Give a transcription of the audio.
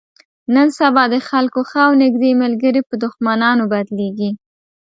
نن سبا د خلکو ښه او نیږدې ملګري په دښمنانو بدلېږي.